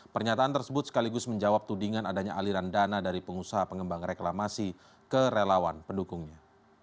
pernyataan tersebut sekaligus menjawab tudingan adanya aliran dana dari pengusaha pengembang reklamasi ke relawan pendukungnya